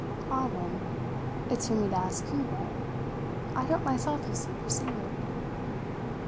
"Ah, then, it's for me to ask you what. I don't myself, you see, perceive it."